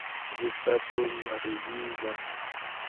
زه ستا په مرضي ځم.